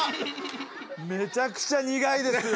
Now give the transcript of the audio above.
めちゃくちゃ苦いですよ。